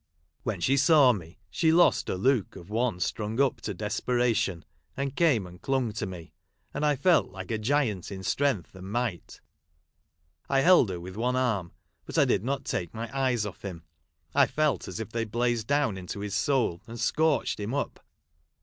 When she saw me, she lost her look of one strung up to desperation, and came and clung to me ; and I felt like a giant in strength and might. I held her Avith one arm, but I did not take my eyes off him ; I felt as if they blazed down into his soul, and scorched him up.